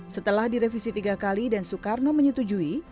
setelah direvisi tiga kali dan soekarno menyetujui